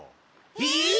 えっ！？